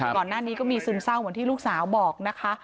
ก่อนหน้านี้ก็มีซึมเศร้าเหมือนที่ลูกสาวบอกนะคะ